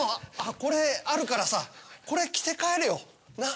これあるからさこれ着て帰れよなっ？